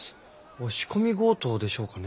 押し込み強盗でしょうかね？